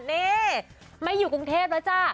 นี่ไม่อยู่กรุงเทพแล้วจ้ะ